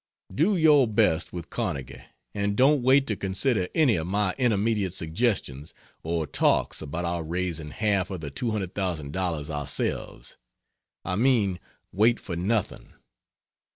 Do your best with Carnegie, and don't wait to consider any of my intermediate suggestions or talks about our raising half of the $200,000 ourselves. I mean, wait for nothing.